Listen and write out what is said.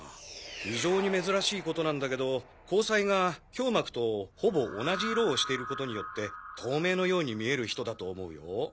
非常に珍しいことなんだけど虹彩が強膜とほぼ同じ色をしていることによって透明のように見える人だと思うよ。